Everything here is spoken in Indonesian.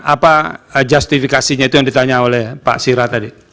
apa justifikasinya itu yang ditanya oleh pak sira tadi